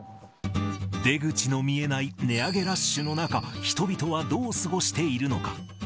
出口の見えない値上げラッシュの中、人々はどう過ごしているのか。